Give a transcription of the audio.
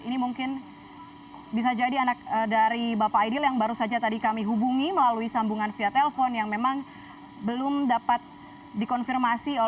ini mungkin bisa jadi anak dari bapak aidil yang baru saja tadi kami hubungi melalui sambungan via telepon yang memang belum dapat dikonfirmasi